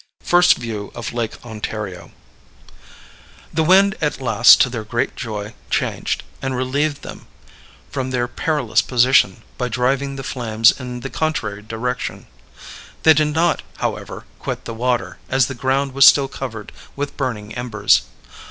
First View of Lake Ontario. The wind at last, to their great joy, changed, and relieved them from their perilous position, by driving the flames in the contrary direction. They did not, however, quit the water, as the ground was still covered with burning embers.